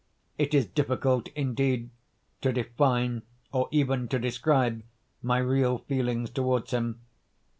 It is difficult, indeed, to define, or even to describe, my real feelings towards him.